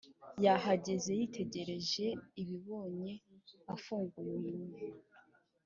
yahagaze yitegereza ibibonye afunguye umunwa.